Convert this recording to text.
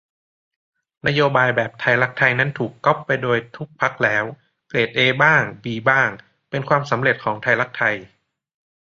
นโยบายแบบไทยรักไทยนั้นถูกก๊อปไปโดยทุกพรรคแล้ว เกรดเอบ้าง บีบ้าง เป็นความสำเร็จของไทยรักไทย